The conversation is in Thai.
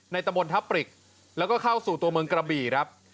ตะบนทับปริกแล้วก็เข้าสู่ตัวเมืองกระบี่ครับ